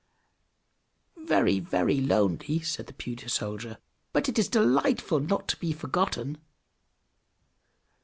"Very, very lonely!" said the pewter soldier. "But it is delightful not to be forgotten!"